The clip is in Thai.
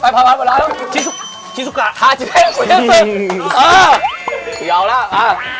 ที่เอาแล้ว